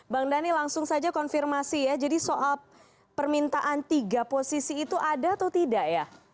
bang dhani langsung saja konfirmasi ya jadi soal permintaan tiga posisi itu ada atau tidak ya